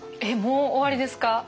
えっもう終わりですか？